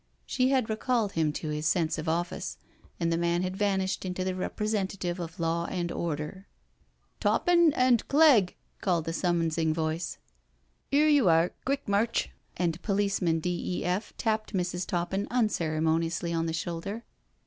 She had recalled him to his sense of office, and the man had vanished into the Representative of law and order. " Toppin and CleggI" called the summonsing voice. " 'Ere you air — quick march," and Policeman D.E.F. tapped Mrs. Toppin unceremoniously on the shoulder.